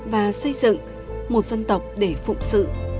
và xây dựng một dân tộc để phụng sự